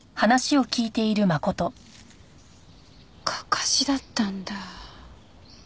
かかしだったんだ。